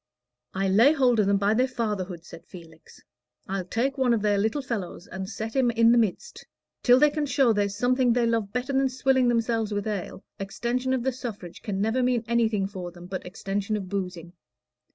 "I'll lay hold of them by their fatherhood," said Felix; "I'll take one of their little fellows and set him in the midst. Till they can show there's something they love better than swilling themselves with ale, extension of the suffrage can never mean anything for them but extension of boozing.